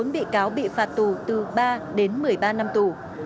một mươi bốn bị cáo bị phạt tù từ ba đến một mươi ba năm tù